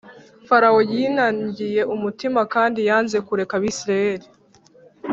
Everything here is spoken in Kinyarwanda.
Farawo yinangiye umutima kandi yanze kureka abisiraheli